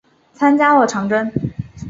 参加了长征。